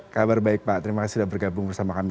kabar baik pak terima kasih sudah bergabung bersama kami